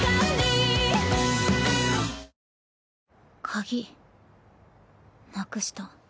鍵なくした。